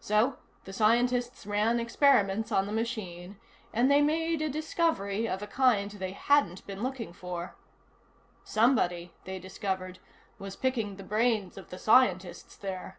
So, the scientists ran experiments on the machine, and they made a discovery of a kind they hadn't been looking for. Somebody, they discovered, was picking the brains of the scientists there.